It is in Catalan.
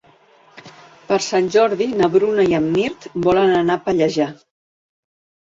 Per Sant Jordi na Bruna i en Mirt volen anar a Pallejà.